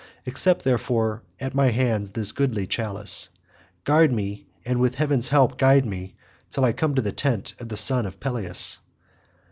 Accept therefore at my hands this goodly chalice; guard me and with heaven's help guide me till I come to the tent of the son of Peleus."